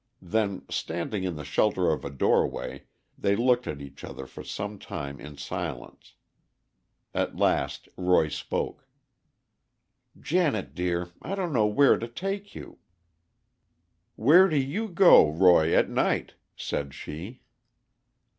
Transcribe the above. Then, standing in the shelter of a doorway, they looked at each other for some time in silence. At last Roy spoke: "Janet, dear—I don't know where to take you." "Where do you go, Roy, at night?" said she.